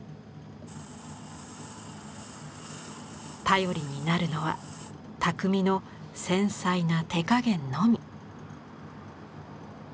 頼りになるのは匠の繊細な手加減のみ。